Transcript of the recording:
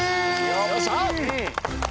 よっしゃ！